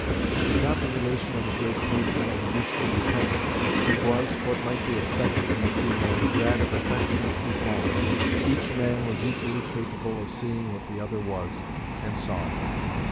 It was not the relation of a great patron and useful dependant; it was, what might be expected in the two men, that of affectionate equality. Each man was equally capable of seeing what the other was, and saw it.